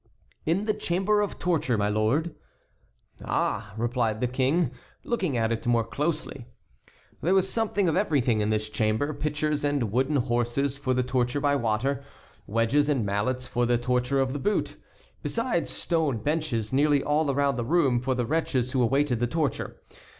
"In the chamber of torture, my lord." "Ah!" replied the king, looking at it more closely. There was something of everything in this chamber—pitchers and wooden horses for the torture by water; wedges and mallets for the torture of the boot; besides stone benches nearly all around the room for the wretches who awaited the torture.